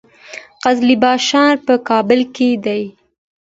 قزلباشان په کابل کې دي؟